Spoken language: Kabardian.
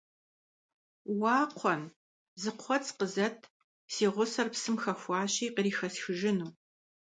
Уа Кхъуэн, зы кхъуэц къызэт, си гъусэр псым хэхуащи кърихэсхыжыну.